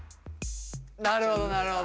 なるほどなるほど。